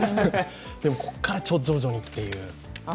でもここから徐々にという。